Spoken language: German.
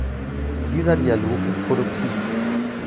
Dieser Dialog ist produktiv.